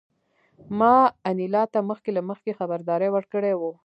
ما انیلا ته مخکې له مخکې خبرداری ورکړی و